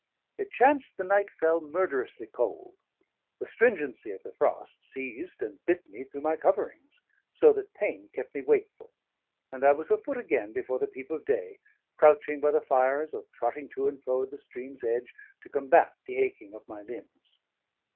It chanced the night fell murderously cold; the stringency of the frost seized and bit me through my coverings, so that pain kept me wakeful; and I was afoot again before the peep of day, crouching by the fires or trotting to and fro at the stream's edge, to combat the aching of my limbs.